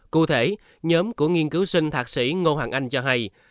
cụ thể nhóm của nghiên cứu sinh thạc sĩ ngô hoàng anh cho hay